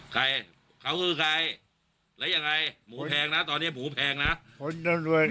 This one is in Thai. ใครเขาคือใครแล้วยังไงหมูแพงนะตอนนี้หมูแพงนะรวย